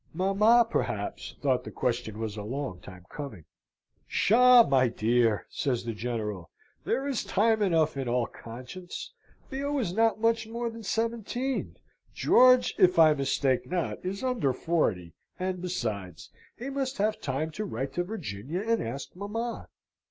Mamma perhaps thought the question was a long time coming. "Psha! my dear!" says the General. "There is time enough in all conscience. Theo is not much more than seventeen; George, if I mistake not, is under forty; and, besides, he must have time to write to Virginia, and ask mamma."